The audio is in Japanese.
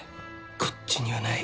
こっちにはない。